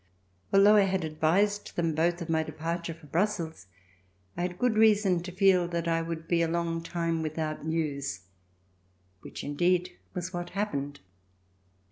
Although I had advised them both of my departure for Brussels, I had good reason to feel that I would be a long time without news, which indeed was what happened.